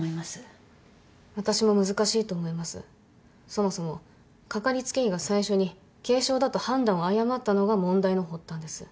そもそもかかりつけ医が最初に軽症だと判断を誤ったのが問題の発端です。